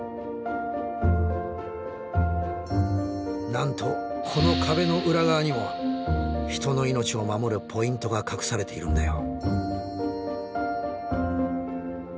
なんとこの壁の裏側にも人の命を守るポイントが隠されているんだよ。